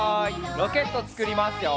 ロケットつくりますよ。